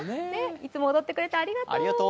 いつも踊ってくれてありがとう。